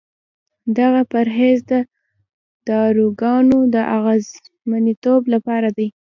دغه پرهیز د داروګانو د اغېزمنتوب لپاره دی.